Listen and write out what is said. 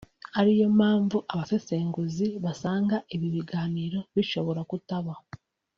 ari yo mpamvu abasesenguzi basanga ibi biganiro bishobora kutaba